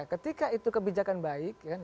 ketika itu kebijakan baik ya kan